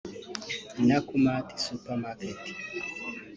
Nakumatt Supermarket